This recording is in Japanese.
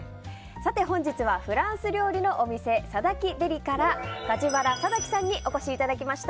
本日はフランス料理のお店サダキデリから梶原節紀さんにお越しいただきました。